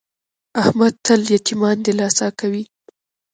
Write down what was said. احمد تل یتمیان دلاسه کوي.